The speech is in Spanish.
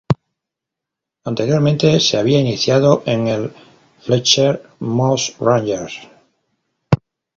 Anteriormente, se había iniciado en el Fletcher Moss Rangers.